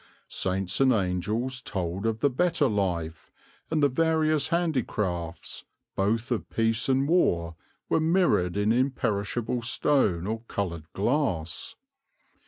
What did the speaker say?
Saints and angels told of the better life, and the various handicrafts, both of peace and war, were mirrored in imperishable stone or coloured glass.